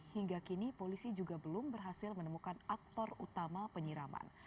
hingga kini polisi juga belum berhasil menemukan aktor utama penyiraman